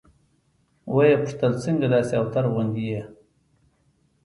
ويې پوښتل څنگه داسې اوتر غوندې يې.